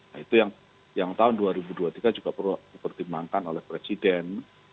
nah itu yang tahun dua ribu dua puluh tiga juga perlu dipertimbangkan oleh presiden